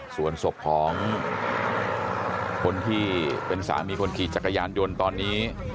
ส่วนศพของคนที่เป็นสามีคนขี่จักรยานยนต์ตอนนี้